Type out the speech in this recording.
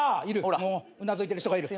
うなずいてる人がいる。